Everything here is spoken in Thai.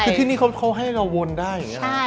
คือที่นี่เขาให้เราวนได้อย่างนี้